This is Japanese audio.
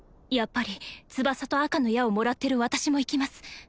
やっぱり翼と赤の矢をもらってる私も行きます